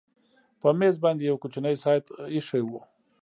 په مېز باندې یو کوچنی ساعت ایښی و